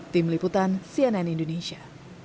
tim liputan cnn indonesia